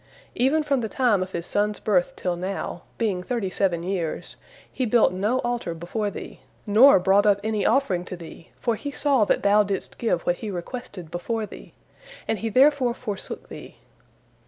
Even from the time of his son's birth till now, being thirty seven years, he built no altar before Thee, nor brought up any offering to Thee, for he saw that Thou didst give what he requested before Thee, and he therefore forsook Thee."